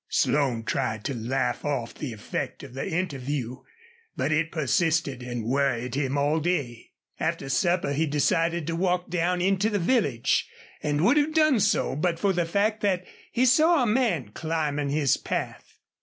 Slone tried to laugh off the effect of the interview, but it persisted and worried him all day. After supper he decided to walk down into the village, and would have done so but for the fact that he saw a man climbing his path.